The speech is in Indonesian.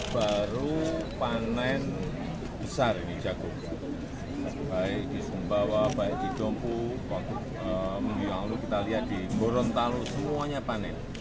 baru panen besar ini jagung baik di sumbawa baik di dompu minggu lalu kita lihat di gorontalo semuanya panen